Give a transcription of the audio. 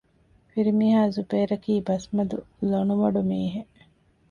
ފިރިމީހާ ޒުބައިރަކީ ބަސްމަދު ލޮނުމަޑު މީހެއް